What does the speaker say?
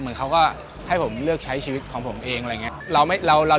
เหมือนเขาก็ให้ผมเลือกใช้ชีวิตของผมเองอะไรอย่างนี้